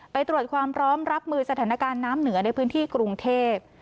ไปตรวจความพร้อมรับมือสถานการณ์น้ำเหนือในพื้นที่กรุงเทพ